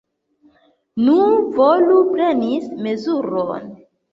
Nu, volu preni mezuron.